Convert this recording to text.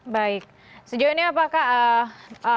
baik sejauh ini apakah